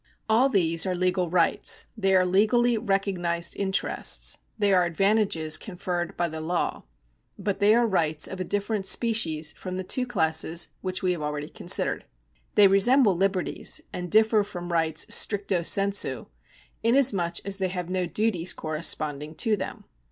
All these are legal rights — they are legally recognised interests — they are advantages conferred by the law^ — but they are rights of a different species from the two classes which we have already considered. They resemble liberties, and differ from rights stricto sensu, inasmuch as they have no duties corresponding to them.